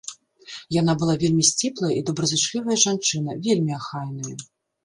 Яна была вельмі сціплая і добразычлівая жанчына, вельмі ахайная.